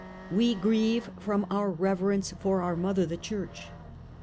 We grieve from our reverence for our Mother the Church